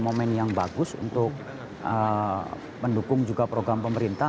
momen yang bagus untuk mendukung juga program pemerintah